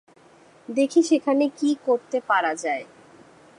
দেখি, সেখানে কি করতে পারা যায়।